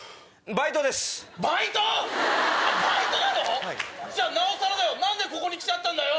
バイト⁉バイトなの⁉じゃあなおさらだよ何でここに来ちゃったんだよ！